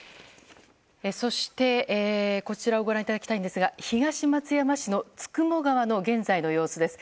そして、こちらをご覧いただきたいですが東松山市の九十九川の現在の様子です。